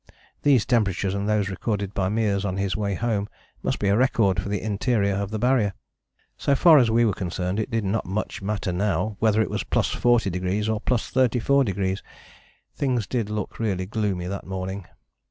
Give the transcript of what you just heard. These temperatures and those recorded by Meares on his way home must be a record for the interior of the Barrier. So far as we were concerned it did not much matter now whether it was +40° or +34°. Things did look really gloomy that morning.